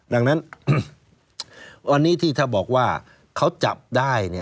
ดังนั้นวันนี้ที่ถ้าบอกว่าเขาจับได้